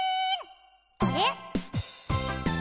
あれ？